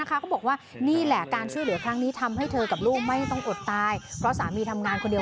เขาก็มาทำมาตั้งแต่น้องมาอยู่ลูกค้าเยอะขึ้นทุกวันเลย